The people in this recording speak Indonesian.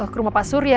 ke rumah pak surya